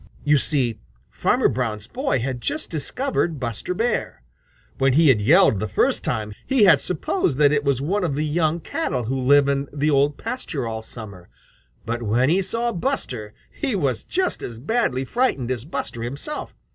You see Farmer Brown's boy had just discovered Buster Bear. When he had yelled the first time, he had supposed that it was one of the young cattle who live in the Old Pasture all summer, but when he saw Buster, he was just as badly frightened as Buster himself.